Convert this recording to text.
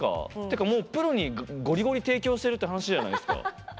ていうかもうプロにゴリゴリ提供してるって話じゃないっすか。